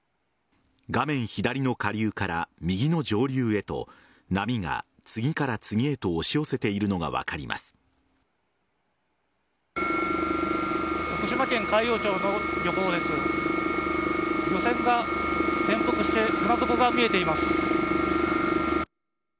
画面左の下流から右の上流へと波が次から次へと押し寄せているのが分かります。